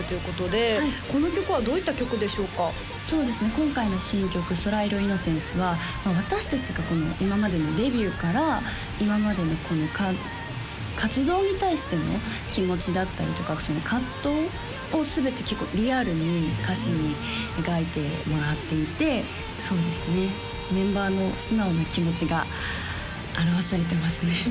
今回の新曲「空色イノセンス」は私達がこの今までのデビューから今までの活動に対しての気持ちだったりとかその葛藤を全て結構リアルに歌詞に描いてもらっていてそうですねメンバーの素直な気持ちが表されてますね